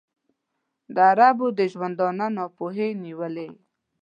د عربو د ژوندانه ناپوهۍ نیولی.